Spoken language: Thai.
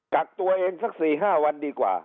กักตัวเองสัก๔๕วันดีกว่า